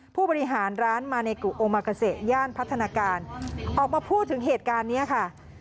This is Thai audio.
ผู้บริหารร้านมาเนกุโอมากาเซย่านพัฒนาการออกมาพูดถึงเหตุการณ์นี้ค่ะ